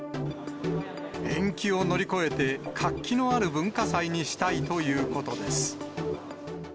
延期を乗り越えて、活気のある文化祭にしたいということです。